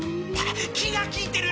気が利いてるな。